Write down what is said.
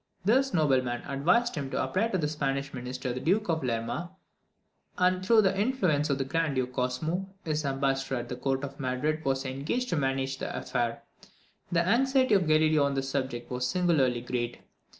This nobleman advised him to apply to the Spanish minister the Duke of Lerma; and, through the influence of the Grand Duke Cosmo, his ambassador at the court of Madrid was engaged to manage the affair. The anxiety of Galileo on this subject was singularly great.